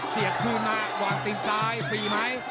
เสียงคืนมาวางสิงสายฟรีไหม